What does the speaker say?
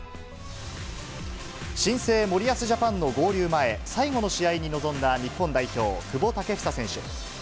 新生森保ジャパンの合流前、最後の試合に臨んだ日本代表、久保建英選手。